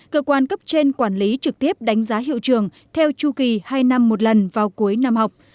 cơ quan cấp trên quản lý trực tiếp đánh giá hiệu trường theo chu kỳ hai năm một lần vào cuối năm học